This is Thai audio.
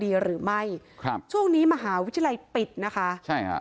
หรือไม่ครับช่วงนี้มหาวิทยาลัยปิดนะคะใช่ค่ะ